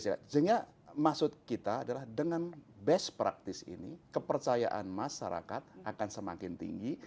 sehingga maksud kita adalah dengan best practice ini kepercayaan masyarakat akan semakin tinggi